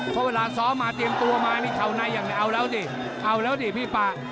เพราะเวลาซ้อมมาเตรียมตัวมานี่เขาในอย่างเดียวเอาแล้วดิเอาแล้วดิพี่ป่า